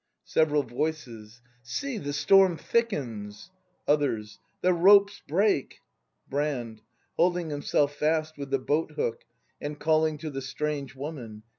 Several Voices. See, the storm thickens! Others. The ropes break! Brand. [Holding himself fast with the boat hook, and calling to the strange Woman.